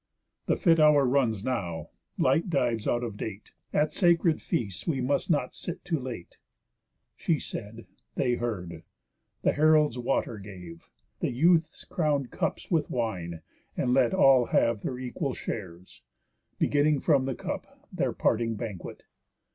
The fit hour runs now, light dives out of date, At sacred feasts we must not sit too late." She said; they heard; the heralds water gave; The youths crown'd cups with wine, and let all have Their equal shares, beginning from the cup Their parting banquet.